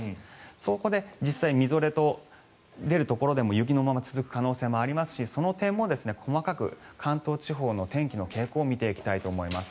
そこで実際にみぞれと出るところでも雪のまま続く可能性もありますしその点も細かく関東地方の天気の傾向を見ていきたいと思います。